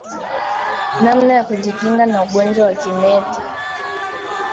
Namna ya kujikinga na ugonjwa wa kimeta